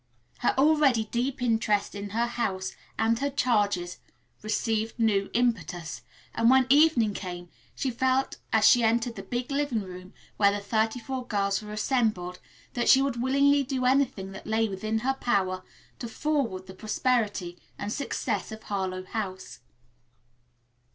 Her already deep interest in her house and her charges received new impetus, and when evening came, she felt, as she entered the big living room where the thirty four girls were assembled, that she would willingly do anything that lay within her power to forward the prosperity and success of Harlowe House.